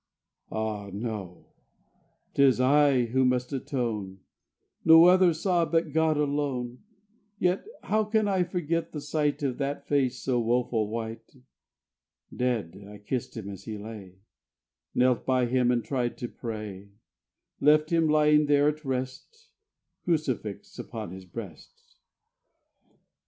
Ah no! 'Tis I who must atone. No other saw but God alone; Yet how can I forget the sight Of that face so woeful white! Dead I kissed him as he lay, Knelt by him and tried to pray; Left him lying there at rest, Crucifix upon his breast.